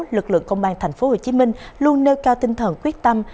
lực lượng công an thành phố hồ chí minh luôn nêu cao tinh thần quyết tâm